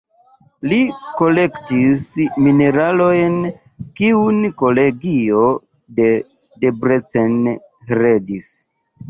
Li kolektis mineralojn, kiun kolegio de Debrecen heredis.